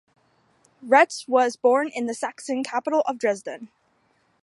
Retzsch was born in the Saxon capital Dresden.